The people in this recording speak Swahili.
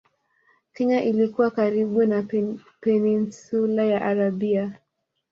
Kenya ilikuwa karibu na Peninsula ya Arabia